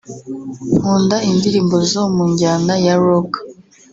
Nkunda indirimbo zo mu njyana ya Rock